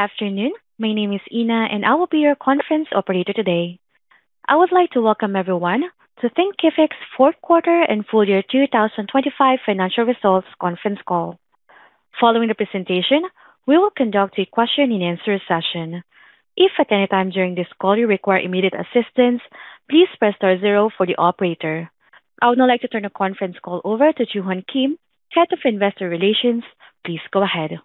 Afternoon. My name is Ina, and I will be your conference operator today. I would like to welcome everyone to Thinkific's fourth quarter and full year 2025 financial results conference call. Following the presentation, we will conduct a question and answer session. If at any time during this call you require immediate assistance, please press star zero for the operator. I would now like to turn the conference call over to Joo-Hun Kim, Head of Investor Relations. Please go ahead.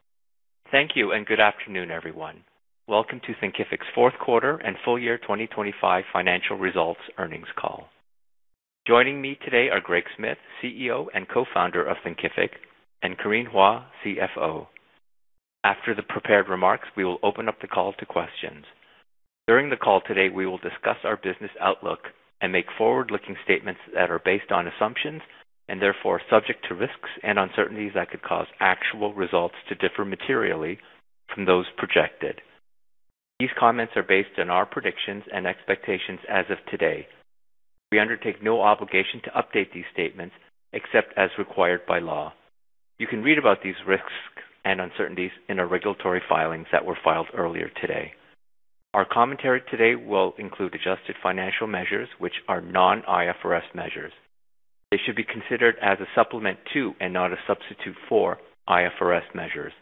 Thank you and good afternoon, everyone. Welcome to Thinkific's fourth quarter and full year 2025 financial results earnings call. Joining me today are Greg Smith, CEO and Co-founder of Thinkific, and Corinne Hua, CFO. After the prepared remarks, we will open up the call to questions. During the call today, we will discuss our business outlook and make forward-looking statements that are based on assumptions and therefore subject to risks and uncertainties that could cause actual results to differ materially from those projected. These comments are based on our predictions and expectations as of today. We undertake no obligation to update these statements except as required by law. You can read about these risks and uncertainties in our regulatory filings that were filed earlier today. Our commentary today will include adjusted financial measures which are non-IFRS measures. They should be considered as a supplement to and not a substitute for IFRS measures.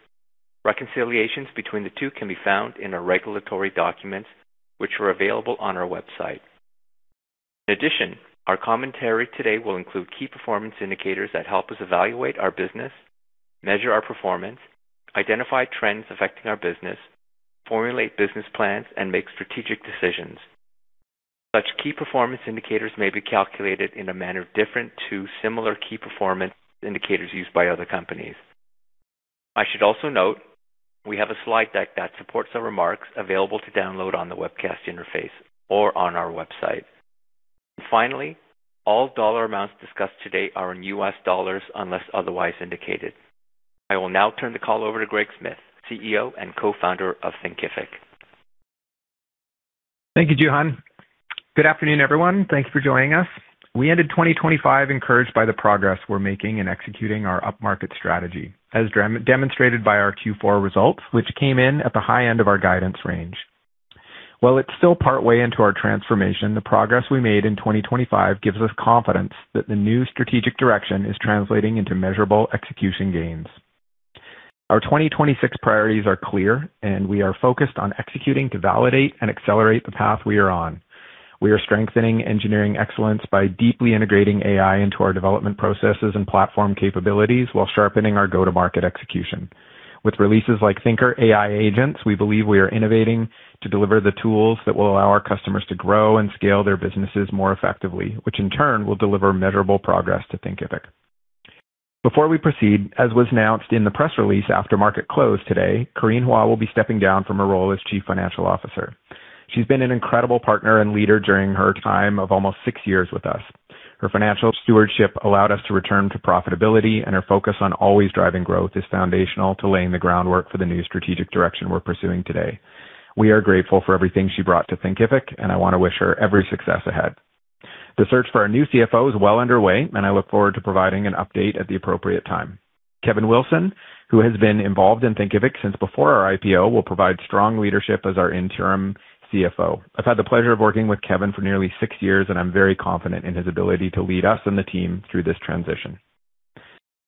Reconciliations between the two can be found in our regulatory documents, which are available on our website. Our commentary today will include key performance indicators that help us evaluate our business, measure our performance, identify trends affecting our business, formulate business plans, and make strategic decisions. Such key performance indicators may be calculated in a manner different to similar key performance indicators used by other companies. I should also note we have a slide deck that supports our remarks available to download on the webcast interface or on our website. Finally, all dollar amounts discussed today are in U.S. dollars unless otherwise indicated. I will now turn the call over to Greg Smith, CEO and co-founder of Thinkific. Thank you, Joo-Hun. Good afternoon, everyone. Thanks for joining us. We ended 2025 encouraged by the progress we're making in executing our upmarket strategy, as demonstrated by our Q4 results, which came in at the high end of our guidance range. While it's still partway into our transformation, the progress we made in 2025 gives us confidence that the new strategic direction is translating into measurable execution gains. Our 2026 priorities are clear. We are focused on executing to validate and accelerate the path we are on. We are strengthening engineering excellence by deeply integrating AI into our development processes and platform capabilities while sharpening our go-to-market execution. With releases like Thinker AI agents, we believe we are innovating to deliver the tools that will allow our customers to grow and scale their businesses more effectively, which in turn will deliver measurable progress to Thinkific. Before we proceed, as was announced in the press release after market close today, Corinne Hua will be stepping down from her role as Chief Financial Officer. She's been an incredible partner and leader during her time of almost six years with us. Her financial stewardship allowed us to return to profitability, and her focus on always driving growth is foundational to laying the groundwork for the new strategic direction we're pursuing today. We are grateful for everything she brought to Thinkific, and I want to wish her every success ahead. The search for our new CFO is well underway, and I look forward to providing an update at the appropriate time. Kevin Wilson, who has been involved in Thinkific since before our IPO, will provide strong leadership as our interim CFO. I've had the pleasure of working with Kevin for nearly 6 years, and I'm very confident in his ability to lead us and the team through this transition.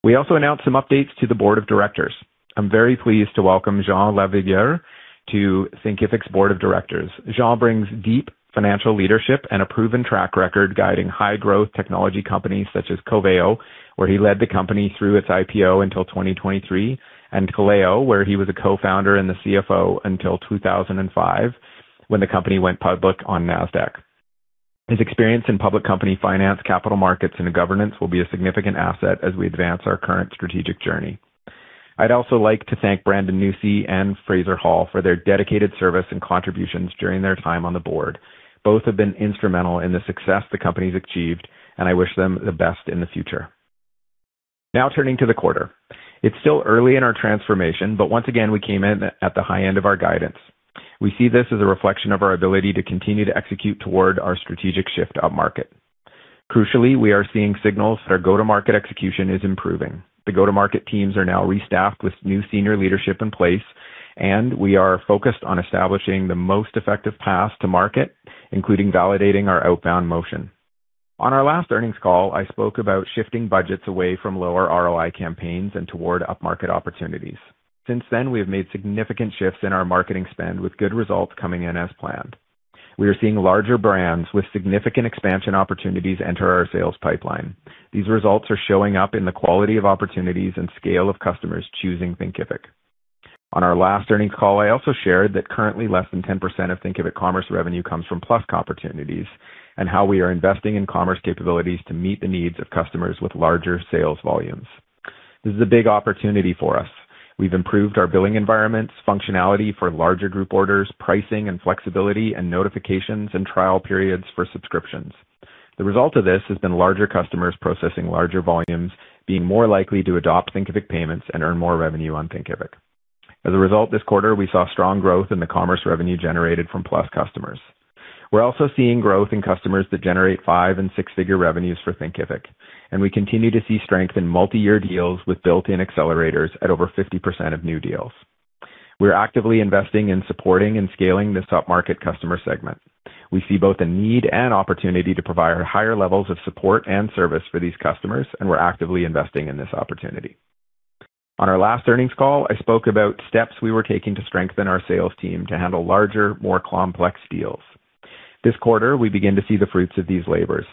We also announced some updates to the board of directors. I'm very pleased to welcome Jean Lavigueur to Thinkific's board of directors. Jean brings deep financial leadership and a proven track record guiding high growth technology companies such as Coveo, where he led the company through its IPO until 2023, and Taleo, where he was a co-founder and the CFO until 2005, when the company went public on Nasdaq. His experience in public company finance, capital markets, and governance will be a significant asset as we advance our current strategic journey. I'd also like to thank Brandon Nussey and Fraser Hall for their dedicated service and contributions during their time on the board. Both have been instrumental in the success the company's achieved, and I wish them the best in the future. Now turning to the quarter. It's still early in our transformation, but once again, we came in at the high end of our guidance. We see this as a reflection of our ability to continue to execute toward our strategic shift upmarket. Crucially, we are seeing signals that our go-to-market execution is improving. The go-to-market teams are now restaffed with new senior leadership in place, and we are focused on establishing the most effective path to market, including validating our outbound motion. On our last earnings call, I spoke about shifting budgets away from lower ROI campaigns and toward upmarket opportunities. Since then, we have made significant shifts in our marketing spend with good results coming in as planned. We are seeing larger brands with significant expansion opportunities enter our sales pipeline. These results are showing up in the quality of opportunities and scale of customers choosing Thinkific. On our last earnings call, I also shared that currently less than 10% of Thinkific Commerce revenue comes from plus opportunities and how we are investing in commerce capabilities to meet the needs of customers with larger sales volumes. This is a big opportunity for us. We've improved our billing environments, functionality for larger group orders, pricing and flexibility, and notifications and trial periods for subscriptions. The result of this has been larger customers processing larger volumes, being more likely to adopt Thinkific Payments and earn more revenue on Thinkific. As a result, this quarter, we saw strong growth in the commerce revenue generated from Plus customers. We're also seeing growth in customers that generate five- and six-figure revenues for Thinkific, and we continue to see strength in multi-year deals with built-in accelerators at over 50% of new deals. We're actively investing in supporting and scaling this top market customer segment. We see both a need and opportunity to provide higher levels of support and service for these customers, and we're actively investing in this opportunity. On our last earnings call, I spoke about steps we were taking to strengthen our sales team to handle larger, more complex deals. This quarter, we begin to see the fruits of these labors.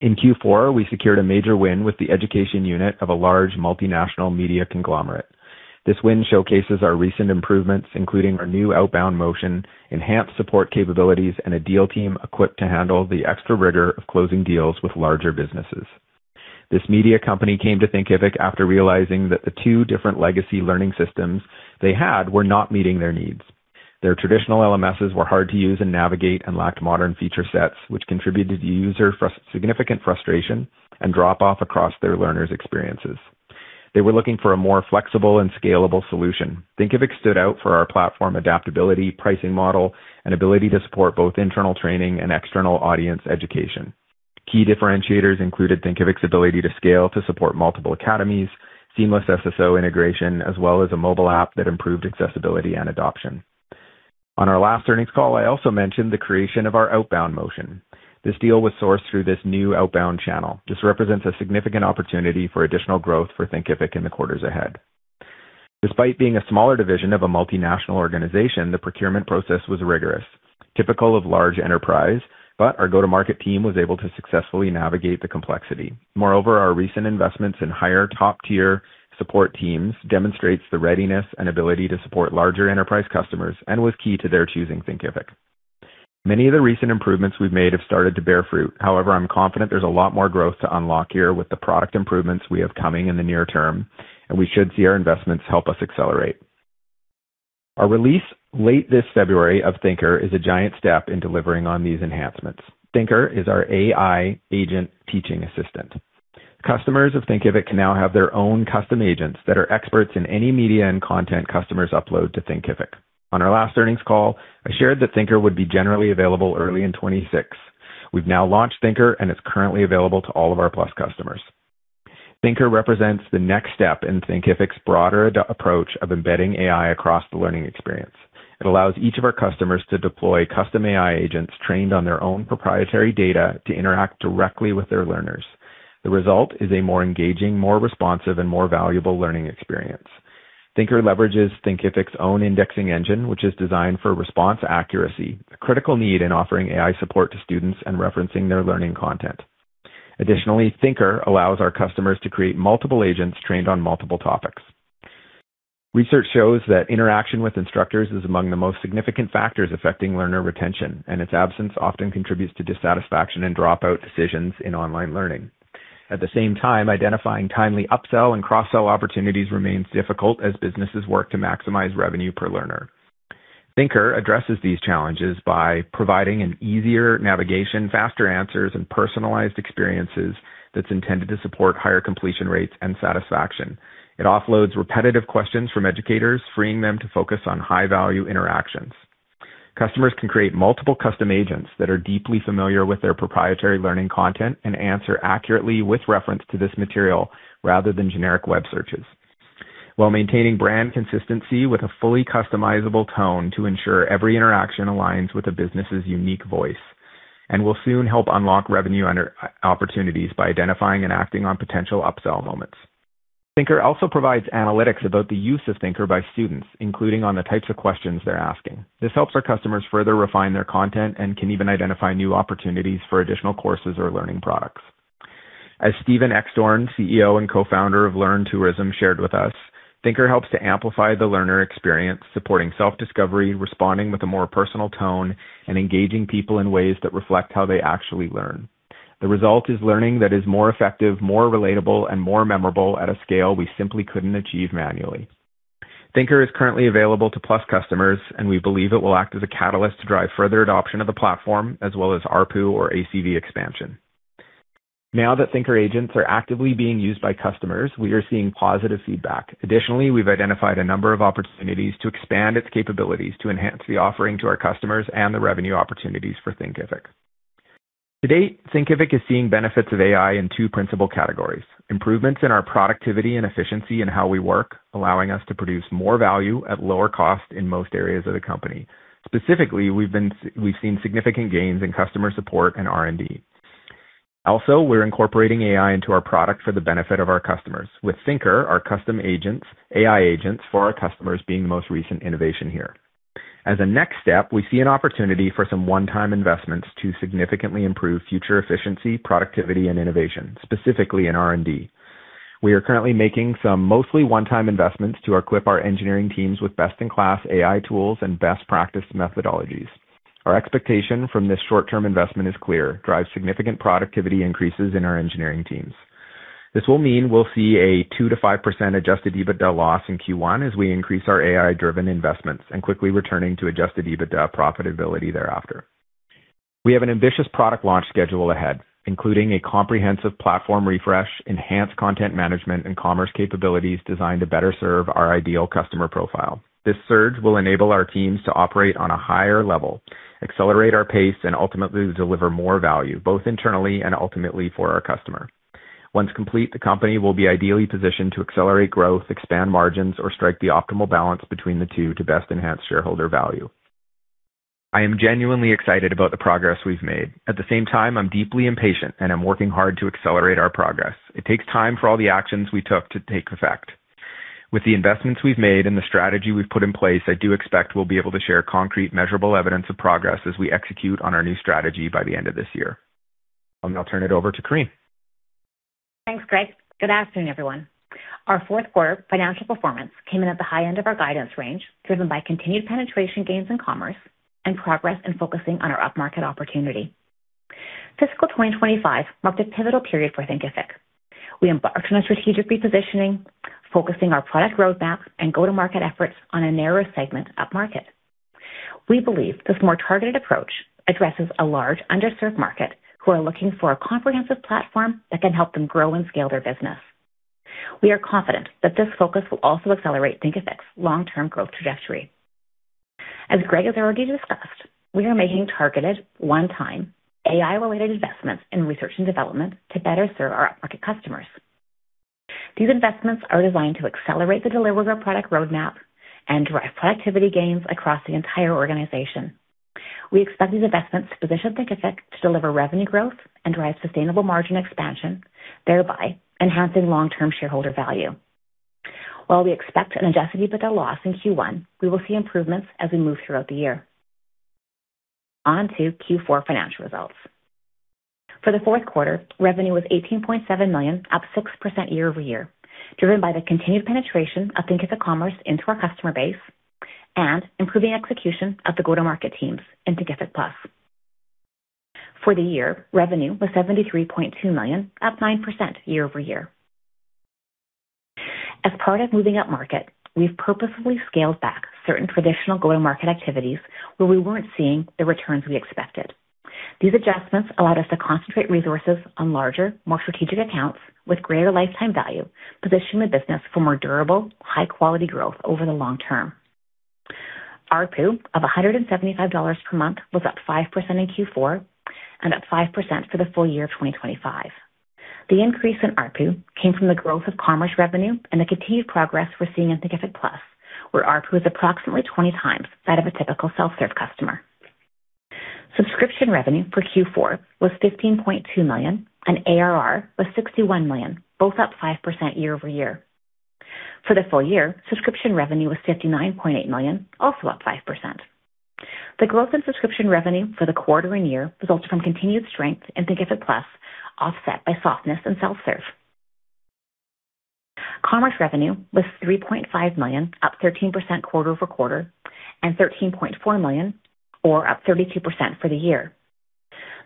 In Q4, we secured a major win with the education unit of a large multinational media conglomerate. This win showcases our recent improvements, including our new outbound motion, enhanced support capabilities, and a deal team equipped to handle the extra rigor of closing deals with larger businesses. This media company came to Thinkific after realizing that the two different legacy learning systems they had were not meeting their needs. Their traditional LMSs were hard to use and navigate and lacked modern feature sets, which contributed to user significant frustration and drop off across their learners' experiences. They were looking for a more flexible and scalable solution. Thinkific stood out for our platform adaptability, pricing model, and ability to support both internal training and external audience education. Key differentiators included Thinkific's ability to scale to support multiple academies, seamless SSO integration, as well as a mobile app that improved accessibility and adoption. On our last earnings call, I also mentioned the creation of our outbound motion. This deal was sourced through this new outbound channel. This represents a significant opportunity for additional growth for Thinkific in the quarters ahead. Despite being a smaller division of a multinational organization, the procurement process was rigorous, typical of large enterprise, but our go-to-market team was able to successfully navigate the complexity. Moreover, our recent investments in higher top-tier support teams demonstrates the readiness and ability to support larger enterprise customers and was key to their choosing Thinkific. Many of the recent improvements we've made have started to bear fruit. However, I'm confident there's a lot more growth to unlock here with the product improvements we have coming in the near term, and we should see our investments help us accelerate. Our release late this February of Thinker is a giant step in delivering on these enhancements. Thinker is our AI agent teaching assistant. Customers of Thinkific can now have their own custom agents that are experts in any media and content customers upload to Thinkific. On our last earnings call, I shared that Thinker would be generally available early in 2026. We've now launched Thinker. It's currently available to all of our Plus customers. Thinker represents the next step in Thinkific's broader approach of embedding AI across the learning experience. It allows each of our customers to deploy custom AI agents trained on their own proprietary data to interact directly with their learners. The result is a more engaging, more responsive, and more valuable learning experience. Thinker leverages Thinkific's own indexing engine, which is designed for response accuracy, a critical need in offering AI support to students and referencing their learning content. Thinker allows our customers to create multiple agents trained on multiple topics. Research shows that interaction with instructors is among the most significant factors affecting learner retention, and its absence often contributes to dissatisfaction and dropout decisions in online learning. At the same time, identifying timely upsell and cross-sell opportunities remains difficult as businesses work to maximize revenue per learner. Thinker addresses these challenges by providing an easier navigation, faster answers, and personalized experiences that's intended to support higher completion rates and satisfaction. It offloads repetitive questions from educators, freeing them to focus on high-value interactions. Customers can create multiple custom agents that are deeply familiar with their proprietary learning content and answer accurately with reference to this material rather than generic web searches. While maintaining brand consistency with a fully customizable tone to ensure every interaction aligns with the business's unique voice, and will soon help unlock revenue under opportunities by identifying and acting on potential upsell moments. Thinker also provides analytics about the use of Thinker by students, including on the types of questions they're asking. This helps our customers further refine their content and can even identify new opportunities for additional courses or learning products. As Stephen Ekstrom, CEO and Co-founder of Learn Tourism, shared with us, "Thinker helps to amplify the learner experience, supporting self-discovery, responding with a more personal tone, and engaging people in ways that reflect how they actually learn. The result is learning that is more effective, more relatable, and more memorable at a scale we simply couldn't achieve manually." Thinker is currently available to Plus customers, and we believe it will act as a catalyst to drive further adoption of the platform as well as ARPU or ACV expansion. Now that Thinker agents are actively being used by customers, we are seeing positive feedback. Additionally, we've identified a number of opportunities to expand its capabilities to enhance the offering to our customers and the revenue opportunities for Thinkific. To date, Thinkific is seeing benefits of AI in two principal categories. Improvements in our productivity and efficiency in how we work, allowing us to produce more value at lower cost in most areas of the company. Specifically, we've seen significant gains in customer support and R&D. We're incorporating AI into our product for the benefit of our customers. With Thinker, our custom agents, AI agents for our customers being the most recent innovation here. As a next step, we see an opportunity for some one-time investments to significantly improve future efficiency, productivity, and innovation, specifically in R&D. We are currently making some mostly one-time investments to equip our engineering teams with best-in-class AI tools and best practice methodologies. Our expectation from this short-term investment is clear. Drive significant productivity increases in our engineering teams. This will mean we'll see a 2%-5% Adjusted EBITDA loss in Q1 as we increase our AI-driven investments and quickly returning to Adjusted EBITDA profitability thereafter. We have an ambitious product launch schedule ahead, including a comprehensive platform refresh, enhanced content management and commerce capabilities designed to better serve our ideal customer profile. This surge will enable our teams to operate on a higher level, accelerate our pace, and ultimately deliver more value, both internally and ultimately for our customer. Once complete, the company will be ideally positioned to accelerate growth, expand margins, or strike the optimal balance between the two to best enhance shareholder value. I am genuinely excited about the progress we've made. At the same time, I'm deeply impatient, and I'm working hard to accelerate our progress. It takes time for all the actions we took to take effect. With the investments we've made and the strategy we've put in place, I do expect we'll be able to share concrete, measurable evidence of progress as we execute on our new strategy by the end of this year. I'll now turn it over to Corinne. Thanks, Greg. Good afternoon, everyone. Our fourth quarter financial performance came in at the high end of our guidance range, driven by continued penetration gains in commerce and progress in focusing on our up-market opportunity. Fiscal 2025 marked a pivotal period for Thinkific. We embarked on a strategic repositioning, focusing our product roadmap and go-to-market efforts on a narrower segment upmarket. We believe this more targeted approach addresses a large underserved market who are looking for a comprehensive platform that can help them grow and scale their business. We are confident that this focus will also accelerate Thinkific's long-term growth trajectory. As Greg has already discussed, we are making targeted one-time AI-related investments in research and development to better serve our up-market customers. These investments are designed to accelerate the delivery of our product roadmap and drive productivity gains across the entire organization. We expect these investments to position Thinkific to deliver revenue growth and drive sustainable margin expansion, thereby enhancing long-term shareholder value. While we expect an Adjusted EBITDA loss in Q1, we will see improvements as we move throughout the year. On to Q4 financial results. For the fourth quarter, revenue was $18.7 million, up 6% year-over-year, driven by the continued penetration of Thinkific Commerce into our customer base and improving execution of the go-to-market teams in Thinkific Plus. For the year, revenue was $73.2 million, up 9% year-over-year. As part of moving upmarket, we've purposefully scaled back certain traditional go-to-market activities where we weren't seeing the returns we expected. These adjustments allowed us to concentrate resources on larger, more strategic accounts with greater lifetime value, positioning the business for more durable, high quality growth over the long term. ARPU of $175 per month was up 5% in Q4 and up 5% for the full year of 2025. The increase in ARPU came from the growth of Commerce revenue and the continued progress we're seeing in Thinkific Plus, where ARPU is approximately 20 times that of a typical self-serve customer. Subscription revenue for Q4 was $15.2 million, and ARR was $61 million, both up 5% year-over-year. For the full year, subscription revenue was $59.8 million, also up 5%. The growth in subscription revenue for the quarter and year results from continued strength in Thinkific Plus, offset by softness in self-serve. Commerce revenue was $3.5 million, up 13% quarter-over-quarter, and $13.4 million or up 32% for the year.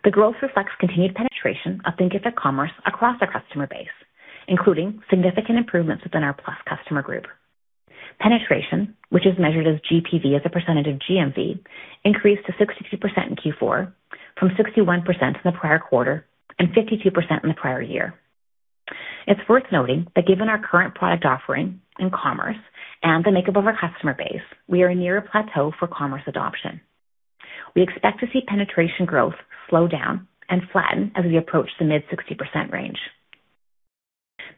The growth reflects continued penetration of Thinkific Commerce across our customer base, including significant improvements within our Plus customer group. Penetration, which is measured as GPV as a percentage of GMV, increased to 62% in Q4 from 61% in the prior quarter and 52% in the prior year. It's worth noting that given our current product offering in commerce and the makeup of our customer base, we are near a plateau for commerce adoption. We expect to see penetration growth slow down and flatten as we approach the mid 60% range.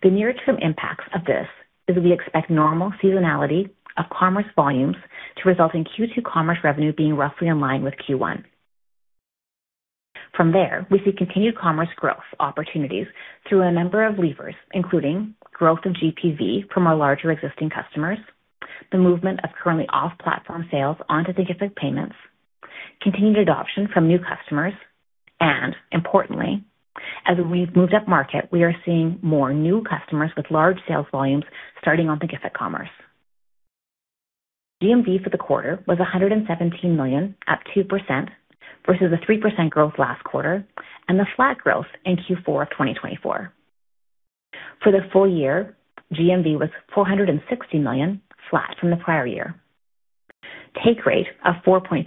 The near-term impacts of this is we expect normal seasonality of commerce volumes to result in Q2 commerce revenue being roughly in line with Q1. From there, we see continued commerce growth opportunities through a number of levers, including growth in GPV from our larger existing customers, the movement of currently off-platform sales onto Thinkific Payments, continued adoption from new customers, and importantly, as we've moved up market, we are seeing more new customers with large sales volumes star ting on Thinkific Commerce. GMV for the quarter was $117 million, up 2% versus the 3% growth last quarter and the flat growth in Q4 of 2024. For the full year, GMV was $460 million, flat from the prior year. Take rate of 4.3%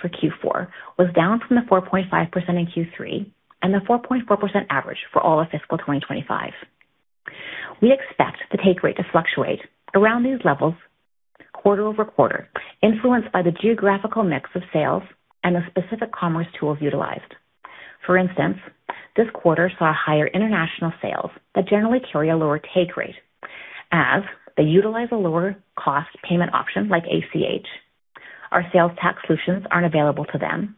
for Q4 was down from the 4.5% in Q3 and the 4.4% average for all of fiscal 2025. We expect the take rate to fluctuate around these levels quarter-over-quarter, influenced by the geographical mix of sales and the specific commerce tools utilized. For instance, this quarter saw higher international sales that generally carry a lower take rate as they utilize a lower cost payment option like ACH. Our sales tax solutions aren't available to them,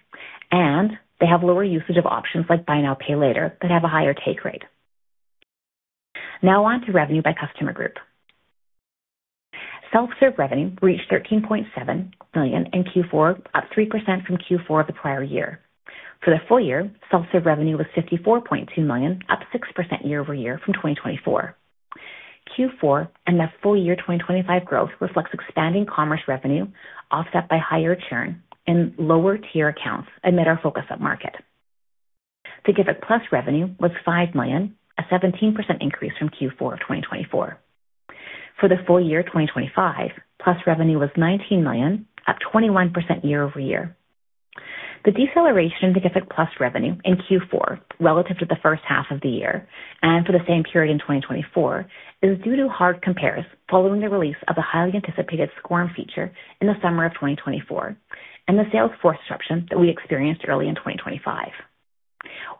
and they have lower usage of options like buy now, pay later that have a higher take rate. Now on to revenue by customer group. Self-serve revenue reached $13.7 million in Q4, up 3% from Q4 of the prior year. For the full year, self-serve revenue was $54.2 million, up 6% year-over-year from 2024. Q4 and the full year 2025 growth reflects expanding commerce revenue offset by higher churn in lower-tier accounts amid our focus up-market. Thinkific Plus revenue was $5 million, a 17% increase from Q4 of 2024. For the full year 2025, Plus revenue was $19 million, up 21% year-over-year. The deceleration in Thinkific Plus revenue in Q4 relative to the first half of the year and for the same period in 2024 is due to hard compares following the release of a highly anticipated SCORM feature in the summer of 2024 and the sales force disruptions that we experienced early in 2025.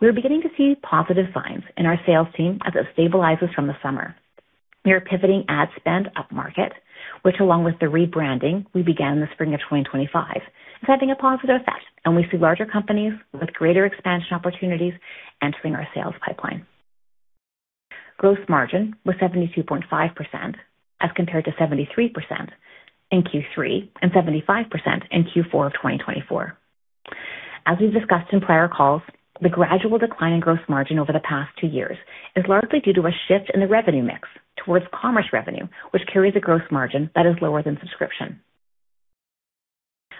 We are beginning to see positive signs in our sales team as it stabilizes from the summer. We are pivoting ad spend upmarket, which along with the rebranding we began in the spring of 2025, is having a positive effect. We see larger companies with greater expansion opportunities entering our sales pipeline. Gross margin was 72.5%, as compared to 73% in Q3 and 75% in Q4 of 2024. As we've discussed in prior calls, the gradual decline in gross margin over the past two years is largely due to a shift in the revenue mix towards commerce revenue, which carries a gross margin that is lower than subscription.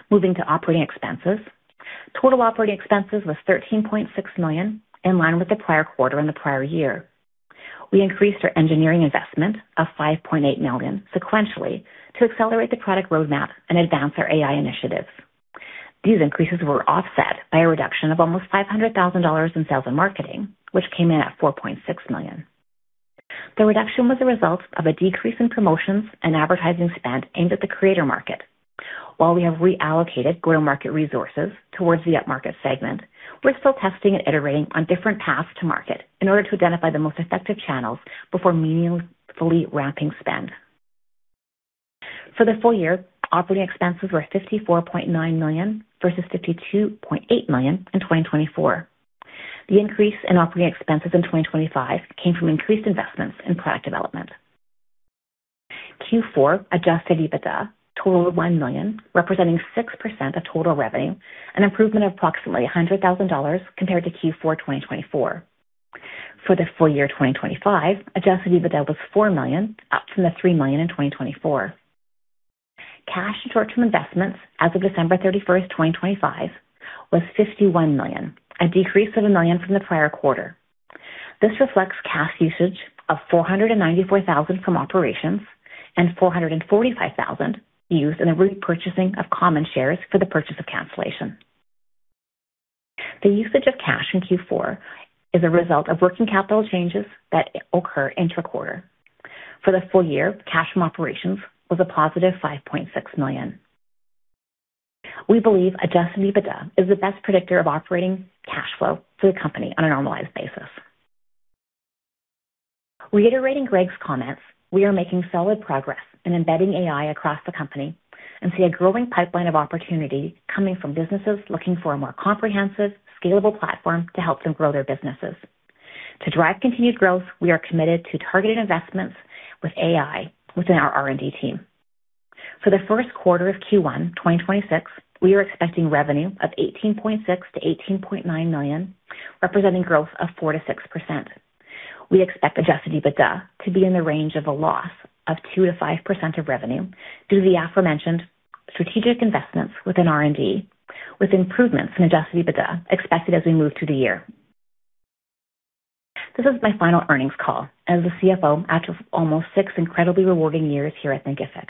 Moving to operating expenses. Total operating expenses was $13.6 million, in line with the prior quarter and the prior year. We increased our engineering investment of $5.8 million sequentially to accelerate the product roadmap and advance our AI initiatives. These increases were offset by a reduction of almost $500,000 in sales and marketing, which came in at $4.6 million. The reduction was a result of a decrease in promotions and advertising spend aimed at the creator market. While we have reallocated go-to-market resources towards the upmarket segment, we're still testing and iterating on different paths to market in order to identify the most effective channels before meaningfully ramping spend. For the full year, operating expenses were $54.9 million versus $52.8 million in 2024. The increase in operating expenses in 2025 came from increased investments in product development. Q4 Adjusted EBITDA totaled $1 million, representing 6% of total revenue, an improvement of approximately $100,000 compared to Q4 2024. For the full year 2025, Adjusted EBITDA was $4 million, up from the $3 million in 2024. Cash and short-term investments as of December 31, 2025, was $51 million, a decrease of $1 million from the prior quarter. This reflects cash usage of $494,000 from operations and $445,000 used in the repurchasing of common shares for the purchase of cancellation. The usage of cash in Q4 is a result of working capital changes that occur inter-quarter. For the full year, cash from operations was a +$5.6 million. We believe Adjusted EBITDA is the best predictor of operating cash flow for the company on a normalized basis. Reiterating Greg's comments, we are making solid progress in embedding AI across the company and see a growing pipeline of opportunity coming from businesses looking for a more comprehensive, scalable platform to help them grow their businesses. To drive continued growth, we are committed to targeted investments with AI within our R&D team. For the first quarter of Q1 2026, we are expecting revenue of $18.6 million-$18.9 million, representing growth of 4%-6%. We expect Adjusted EBITDA to be in the range of a loss of 2%-5% of revenue due to the aforementioned strategic investments within R&D, with improvements in Adjusted EBITDA expected as we move through the year. This is my final earnings call as the CFO after almost six incredibly rewarding years here at Thinkific.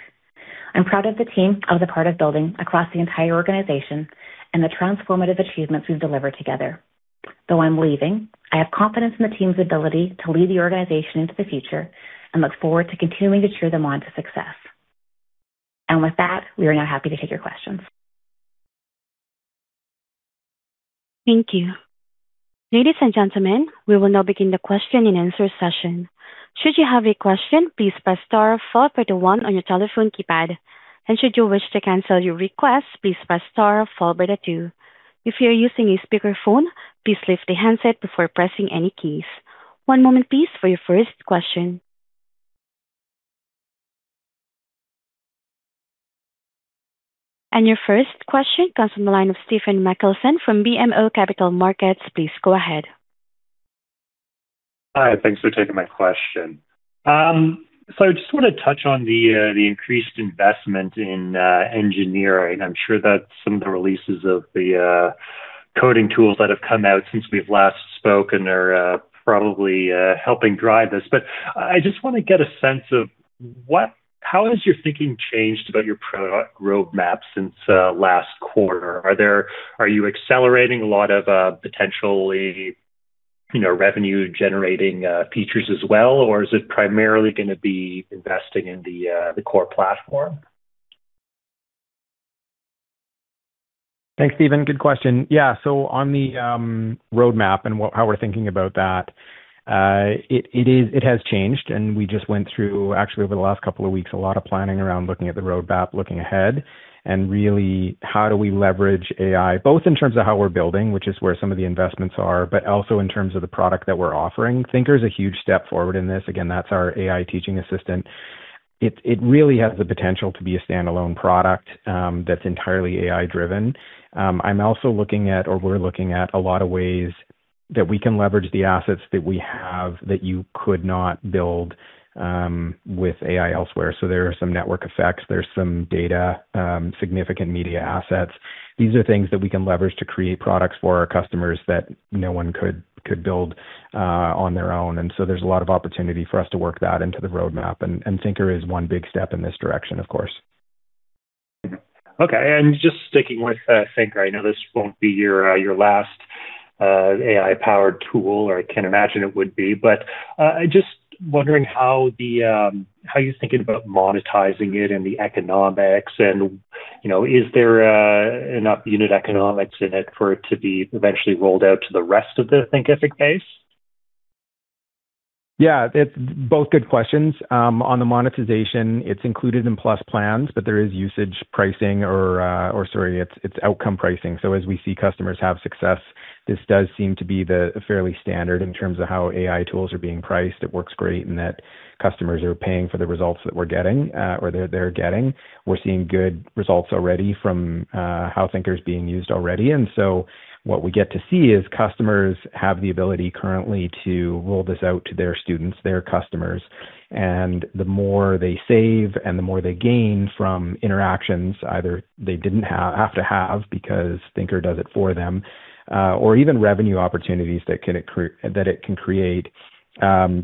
I'm proud of the team I was a part of building across the entire organization and the transformative achievements we've delivered together. Though I'm leaving, I have confidence in the team's ability to lead the organization into the future and look forward to continuing to cheer them on to success. With that, we are now happy to take your questions. Thank you. Ladies and gentlemen, we will now begin the question-and-answer session. Should you have a question, please press star followed by one on your telephone keypad. Should you wish to cancel your request, please press star followed by two. If you're using a speakerphone, please lift the handset before pressing any keys. One moment please for your first question. Your first question comes from the line of Stephen Machielsen from BMO Capital Markets. Please go ahead. Hi, thanks for taking my question. I just want to touch on the increased investment in engineering. I'm sure that some of the releases of the coding tools that have come out since we've last spoken are probably helping drive this. I just want to get a sense of how has your thinking changed about your product roadmap since last quarter? Are you accelerating a lot of potentially, you know, revenue-generating features as well? Is it primarily gonna be investing in the core platform? Thanks, Stephen. Good question. On the roadmap and how we're thinking about that, it has changed. We just went through, actually over the last couple of weeks, a lot of planning around looking at the roadmap, looking ahead, and really how do we leverage AI, both in terms of how we're building, which is where some of the investments are, but also in terms of the product that we're offering. Thinker is a huge step forward in this. Again, that's our AI teaching assistant. It really has the potential to be a standalone product, that's entirely AI-driven. I'm also looking at or we're looking at a lot of ways that we can leverage the assets that we have that you could not build with AI elsewhere. There are some network effects, there's some data, significant media assets. These are things that we can leverage to create products for our customers that no one could build on their own. There's a lot of opportunity for us to work that into the roadmap. Thinker is one big step in this direction, of course. Okay. Just sticking with Thinker, I know this won't be your last AI-powered tool, or I can't imagine it would be, but I just wondering how the, how you're thinking about monetizing it and the economics and, you know, is there enough unit economics in it for it to be eventually rolled out to the rest of the Thinkific base? Yeah. It's both good questions. On the monetization, it's included in Thinkific Plus plans, but there is usage pricing or it's outcome pricing. As we see customers have success, this does seem to be the fairly standard in terms of how AI tools are being priced. It works great in that customers are paying for the results that we're getting, or they're getting. We're seeing good results already from how Thinker is being used already. What we get to see is customers have the ability currently to roll this out to their students, their customers, and the more they save and the more they gain from interactions, either they didn't have to have because Thinker does it for them, or even revenue opportunities that it can create,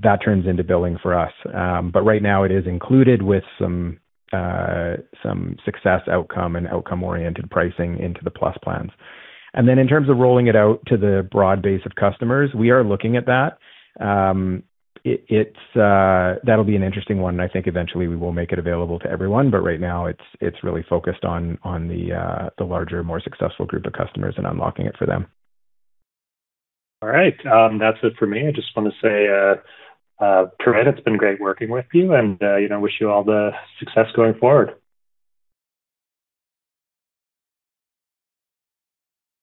that turns into billing for us. Right now it is included with some success outcome and outcome-oriented pricing into the Plus plans. In terms of rolling it out to the broad base of customers, we are looking at that. That'll be an interesting one, and I think eventually we will make it available to everyone, but right now it's really focused on the larger, more successful group of customers and unlocking it for them. All right. That's it for me. I just wanna say, Corinne, it's been great working with you and, you know, wish you all the success going forward.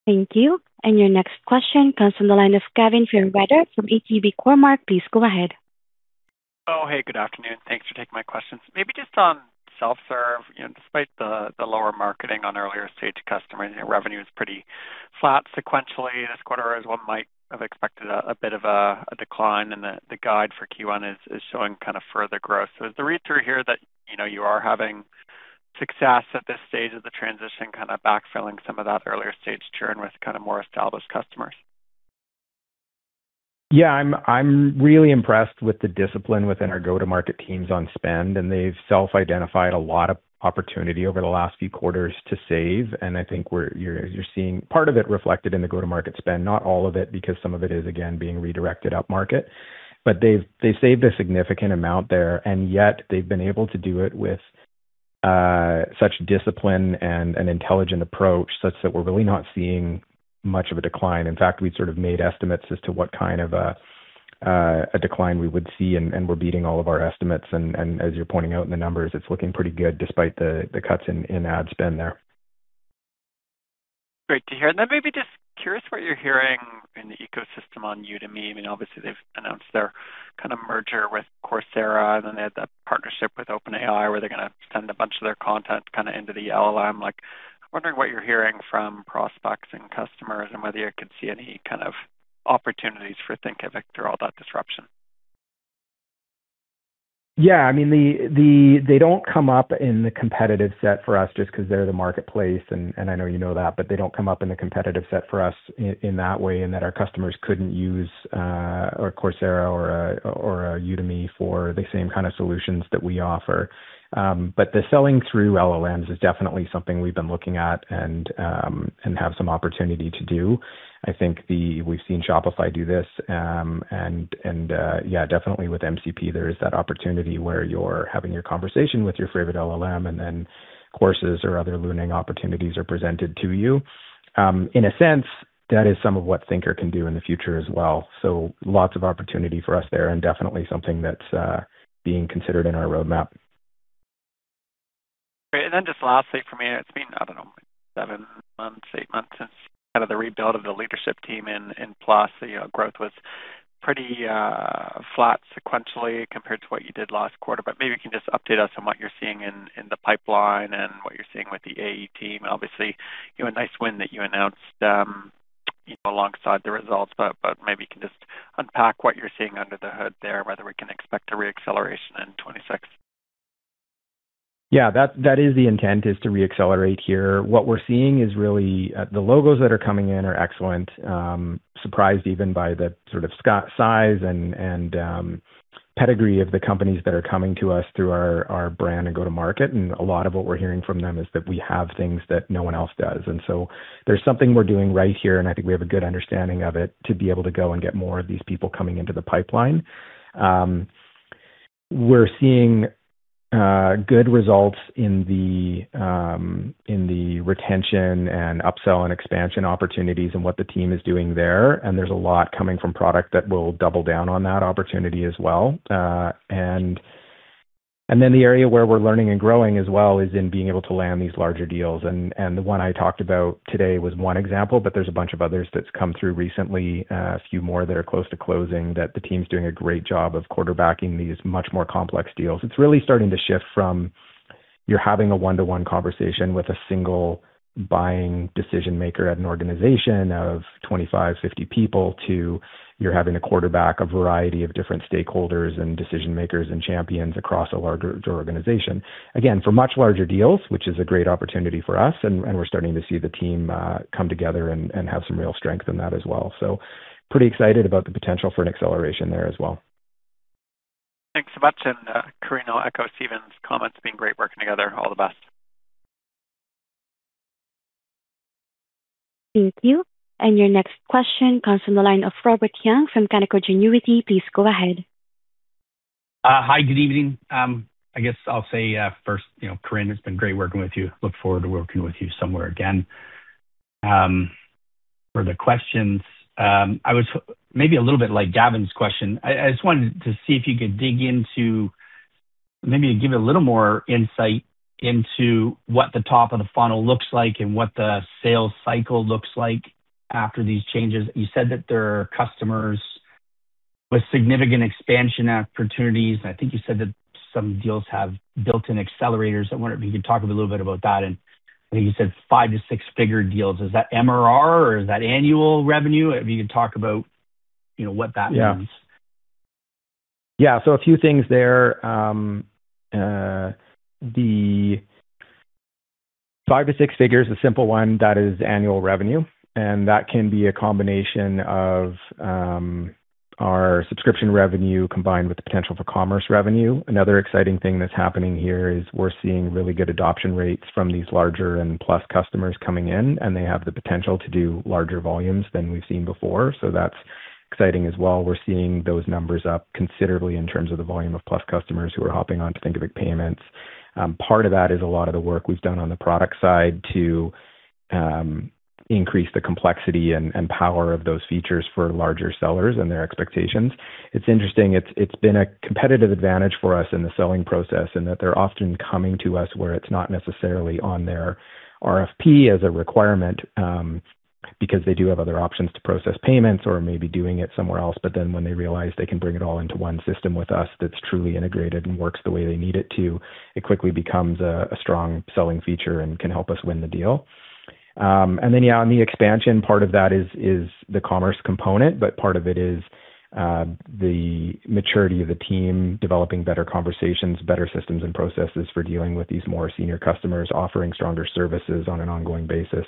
Thank you. Your next question comes from the line of Gavin Fairweather, from ATB Cormark. Please go ahead. Oh, hey, good afternoon. Thanks for taking my questions. Maybe just on self-serve. You know, despite the lower marketing on earlier stage customers, revenue is pretty flat sequentially this quarter, as one might have expected a bit of a decline, and the guide for Q1 is showing kind of further growth. Is the read through here that, you know, you are having success at this stage of the transition, kinda backfilling some of that earlier stage churn with kinda more established customers? Yeah. I'm really impressed with the discipline within our go-to-market teams on spend. They've self-identified a lot of opportunity over the last few quarters to save. I think you're seeing part of it reflected in the go-to-market spend, not all of it, because some of it is again being redirected up market. They've saved a significant amount there, and yet they've been able to do it with such discipline and an intelligent approach such that we're really not seeing much of a decline. In fact, we'd sort of made estimates as to what kind of a decline we would see and we're beating all of our estimates and as you're pointing out in the numbers, it's looking pretty good despite the cuts in ad spend there. Great to hear. Maybe just curious what you're hearing in the ecosystem on Udemy? Obviously they've announced their kinda merger with Coursera. They had that partnership with OpenAI, where they're gonna send a bunch of their content kinda into the LLM. Wondering what you're hearing from prospects and customers and whether you can see any kind of opportunities for Thinkific through all that disruption? They don't come up in the competitive set for us just 'cause they're the marketplace and, I know you know that, but they don't come up in the competitive set for us in that way, in that our customers couldn't use a Coursera or a Udemy for the same kinda solutions that we offer. The selling through LLMs is definitely something we've been looking at and have some opportunity to do. We've seen Shopify do this, and yeah, definitely with MCP there is that opportunity where you're having your conversation with your favorite LLM and then courses or other learning opportunities are presented to you. In a sense, that is some of what Thinker can do in the future as well. Lots of opportunity for us there and definitely something that's being considered in our roadmap. Great. Just lastly for me, it's been, I don't know, 7 months, 8 months since kind of the rebuild of the leadership team in Plus. You know, growth was pretty flat sequentially compared to what you did last quarter. Maybe you can just update us on what you're seeing in the pipeline and what you're seeing with the AE team. Obviously, you know, a nice win that you announced, you know, alongside the results, but maybe you can just unpack what you're seeing under the hood there, whether we can expect a re-acceleration in 2026? Yeah. That is the intent, is to re-accelerate here. What we're seeing is really, the logos that are coming in are excellent. Surprised even by the sort of size and pedigree of the companies that are coming to us through our brand and go-to-market, and a lot of what we're hearing from them is that we have things that no one else does. There's something we're doing right here, and I think we have a good understanding of it to be able to go and get more of these people coming into the pipeline. We're seeing good results in the retention and upsell and expansion opportunities and what the team is doing there, and there's a lot coming from product that will double down on that opportunity as well. The area where we're learning and growing as well is in being able to land these larger deals. The one I talked about today was one example, but there's a bunch of others that's come through recently, a few more that are close to closing that the team's doing a great job of quarterbacking these much more complex deals. It's really starting to shift from you're having a one-to-one conversation with a single buying decision-maker at an organization of 25, 50 people to you're having to quarterback a variety of different stakeholders and decision-makers and champions across a larger organization. Again, for much larger deals, which is a great opportunity for us and we're starting to see the team, come together and have some real strength in that as well. Pretty excited about the potential for an acceleration there as well. Thanks so much. Corinne, I'll echo Stephen's comments. It's been great working together. All the best. Thank you. Your next question comes from the line of Robert Young from Canaccord Genuity. Please go ahead. Hi, good evening. I guess I'll say, first, you know, Corinne, it's been great working with you. Look forward to working with you somewhere again. For the questions, maybe a little bit like Gavin's question, I just wanted to see if you could dig into maybe give a little more insight into what the top of the funnel looks like and what the sales cycle looks like after these changes. You said that there are customers with significant expansion opportunities. I think you said that some deals have built-in accelerators. I wonder if you could talk a little bit about that. I think you said five to six-figure deals. Is that MRR or is that annual revenue? If you could talk about, you know, what that means. Yeah. A few things there. The five to six figures, the simple one, that is annual revenue, and that can be a combination of our subscription revenue combined with the potential for commerce revenue. Another exciting thing that's happening here is we're seeing really good adoption rates from these larger and Plus customers coming in, and they have the potential to do larger volumes than we've seen before. That's exciting as well. We're seeing those numbers up considerably in terms of the volume of Plus customers who are hopping on to Thinkific Payments. Part of that is a lot of the work we've done on the product side to increase the complexity and power of those features for larger sellers and their expectations. It's interesting. It's been a competitive advantage for us in the selling process, and that they're often coming to us where it's not necessarily on their RFP as a requirement, because they do have other options to process payments or may be doing it somewhere else. When they realize they can bring it all into one system with us that's truly integrated and works the way they need it to, it quickly becomes a strong selling feature and can help us win the deal. Yeah, on the expansion part of that is the Commerce component, but part of it is the maturity of the team developing better conversations, better systems and processes for dealing with these more senior customers. Offering stronger services on an ongoing basis,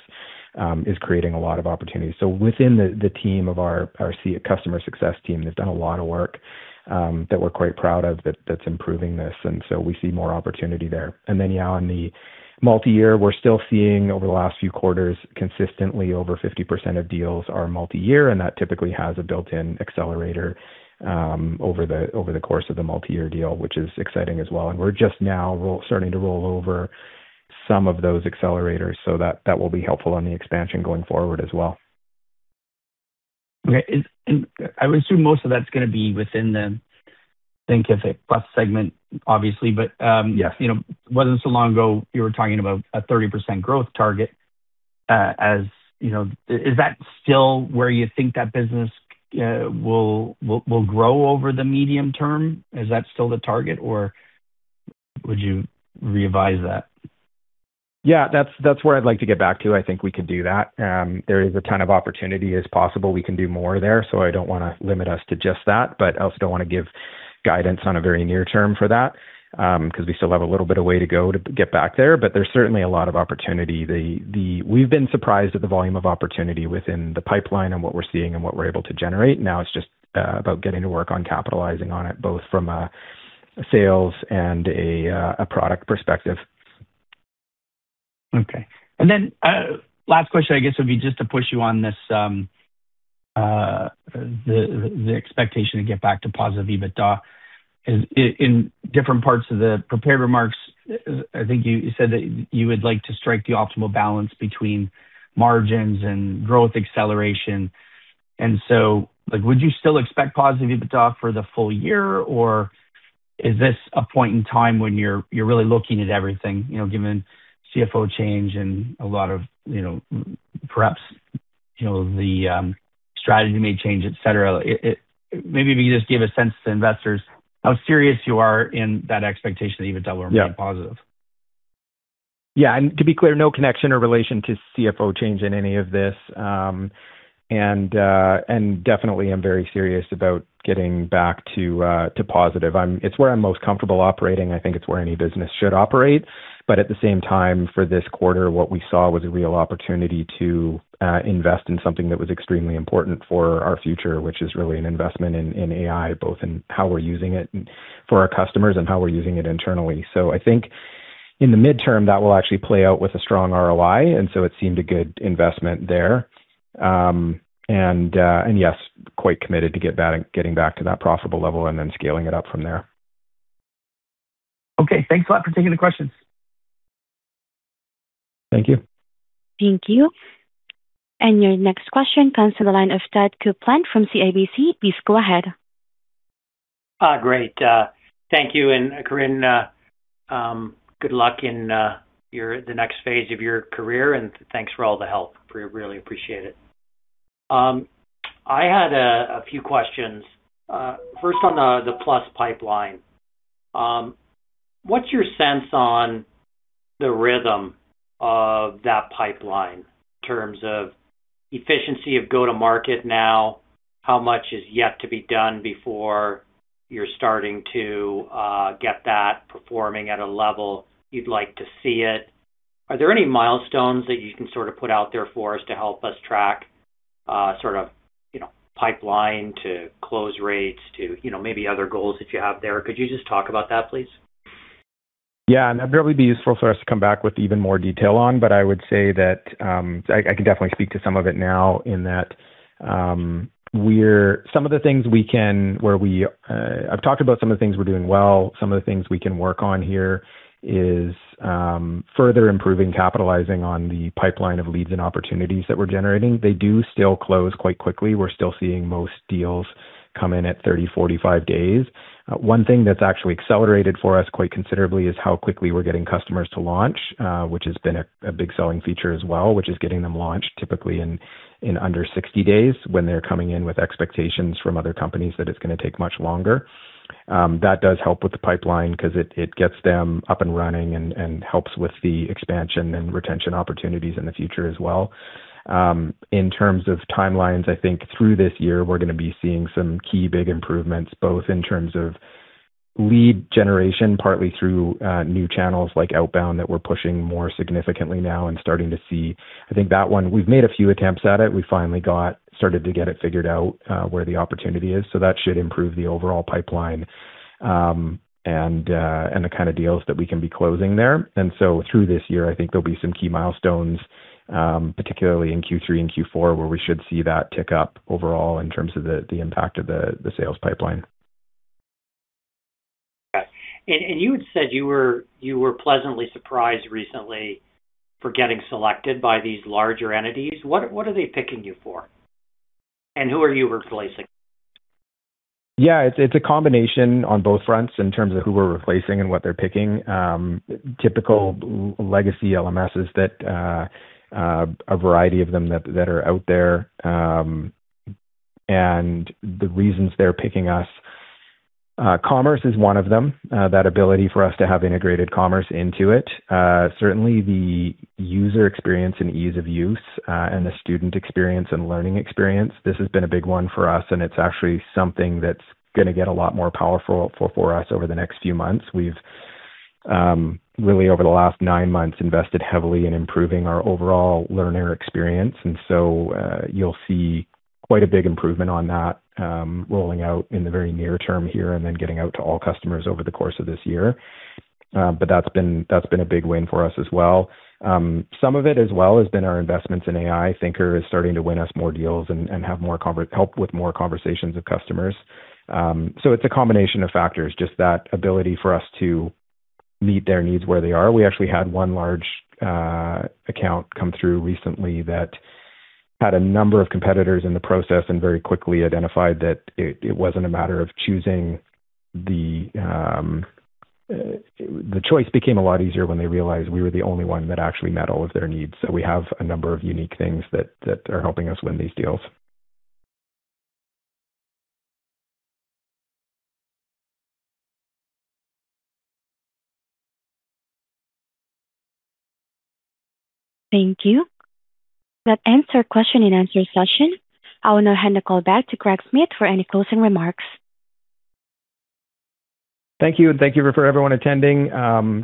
is creating a lot of opportunities. Within the team of our customer success team, they've done a lot of work that we're quite proud of, that's improving this. We see more opportunity there. Then, yeah, on the multi-year, we're still seeing over the last few quarters, consistently over 50% of deals are multi-year, and that typically has a built-in accelerator over the course of the multi-year deal, which is exciting as well. We're just now starting to roll over some of those accelerators, so that will be helpful on the expansion going forward as well. Okay. I would assume most of that's gonna be within the Thinkific Plus segment, obviously. Yes. You know, it wasn't so long ago you were talking about a 30% growth target, as you know. Is that still where you think that business will grow over the medium term? Is that still the target, or would you revise that? Yeah, that's where I'd like to get back to. I think we could do that. There is a ton of opportunity as possible. We can do more there. I don't wanna limit us to just that, but I also don't wanna give guidance on a very near term for that, 'cause we still have a little bit of way to go to get back there. There's certainly a lot of opportunity. We've been surprised at the volume of opportunity within the pipeline and what we're seeing and what we're able to generate. Now it's just about getting to work on capitalizing on it, both from a sales and a product perspective. Okay. Last question, I guess, would be just to push you on this, the expectation to get back to positive EBITDA. In different parts of the prepared remarks, I think you said that you would like to strike the optimal balance between margins and growth acceleration. Like, would you still expect positive EBITDA for the full year, or is this a point in time when you're really looking at everything, you know, given CFO change and a lot of, you know, perhaps, you know, the strategy may change, et cetera? Maybe if you just give a sense to investors how serious you are in that expectation that EBITDA will be positive. Yeah. To be clear, no connection or relation to CFO change in any of this. Definitely I'm very serious about getting back to positive. It's where I'm most comfortable operating. I think it's where any business should operate. At the same time, for this quarter, what we saw was a real opportunity to invest in something that was extremely important for our future, which is really an investment in AI, both in how we're using it for our customers and how we're using it internally. I think in the midterm that will actually play out with a strong ROI, it seemed a good investment there. Yes, quite committed to getting back to that profitable level scaling it up from there. Thanks a lot for taking the questions. Thank you. Thank you. Your next question comes to the line of Todd Coupland from CIBC. Please go ahead. Great. Thank you. Corinne, good luck in the next phase of your career, and thanks for all the help. We really appreciate it. I had a few questions. First on the Plus pipeline. What's your sense on the rhythm of that pipeline in terms of efficiency of go-to-market now? How much is yet to be done before you're starting to get that performing at a level you'd like to see it? Are there any milestones that you can sort of put out there for us to help us track, sort of, you know, pipeline to close rates to, you know, maybe other goals that you have there? Could you just talk about that, please? That would be useful for us to come back with even more detail on. I would say that, I can definitely speak to some of it now in that, I've talked about some of the things we're doing well. Some of the things we can work on here is further improving, capitalizing on the pipeline of leads and opportunities that we're generating. They do still close quite quickly. We're still seeing most deals come in at 30, 45 days. One thing that's actually accelerated for us quite considerably is how quickly we're getting customers to launch, which has been a big selling feature as well, which is getting them launched typically in under 60 days when they're coming in with expectations from other companies that it's gonna take much longer. That does help with the pipeline 'cause it gets them up and running and helps with the expansion and retention opportunities in the future as well. In terms of timelines, I think through this year we're gonna be seeing some key big improvements, both in terms of lead generation, partly through new channels like outbound that we're pushing more significantly now and starting to see. I think that one we've made a few attempts at it. We finally got... started to get it figured out, where the opportunity is, so that should improve the overall pipeline, and the kinda deals that we can be closing there. Through this year, I think there'll be some key milestones, particularly in Q3 and Q4, where we should see that tick up overall in terms of the impact of the sales pipeline. Okay. You had said you were pleasantly surprised recently for getting selected by these larger entities. What are they picking you for? Who are you replacing? Yeah. It's a combination on both fronts in terms of who we're replacing and what they're picking. Typical legacy LMSs that a variety of them that are out there, and the reasons they're picking us, commerce is one of them. That ability for us to have integrated commerce into it. Certainly the user experience and ease of use, and the student experience and learning experience, this has been a big one for us, and it's actually something that's gonna get a lot more powerful for us over the next few months. We've really over the last nine months, invested heavily in improving our overall learner experience. You'll see quite a big improvement on that rolling out in the very near term here and then getting out to all customers over the course of this year. That's been a big win for us as well. Some of it as well has been our investments in AI. Thinker is starting to win us more deals and have more conversations with customers. It's a combination of factors, just that ability for us to meet their needs where they are. We actually had one large account come through recently that had a number of competitors in the process and very quickly identified that it wasn't a matter of choosing the... The choice became a lot easier when they realized we were the only one that actually met all of their needs. We have a number of unique things that are helping us win these deals. Thank you. That ends our question and answer session. I will now hand the call back to Greg Smith for any closing remarks. Thank you, and thank you for everyone attending.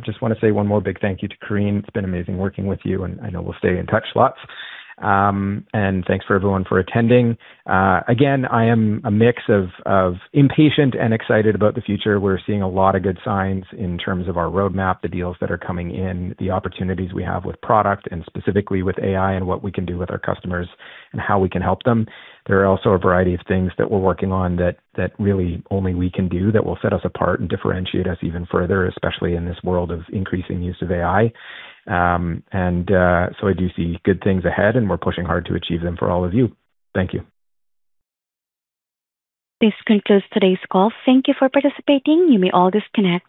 Just wanna say one more big thank you to Carinne. It's been amazing working with you, and I know we'll stay in touch lots. Thanks for everyone for attending. Again, I am a mix of impatient and excited about the future. We're seeing a lot of good signs in terms of our roadmap, the deals that are coming in, the opportunities we have with product and specifically with AI and what we can do with our customers and how we can help them. There are also a variety of things that we're working on that really only we can do that will set us apart and differentiate us even further, especially in this world of increasing use of AI. I do see good things ahead, and we're pushing hard to achieve them for all of you. Thank you. This concludes today's call. Thank you for participating. You may all disconnect.